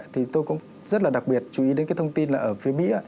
thì tôi cũng rất là đặc biệt chú ý đến cái thông tin là ở phía mỹ